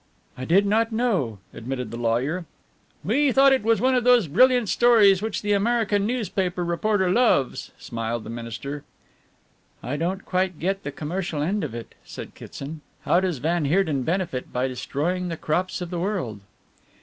"I did not know," admitted the lawyer. "We thought it was one of those brilliant stories which the American newspaper reporter loves," smiled the minister. "I don't quite get the commercial end of it," said Kitson. "How does van Heerden benefit by destroying the crops of the world?"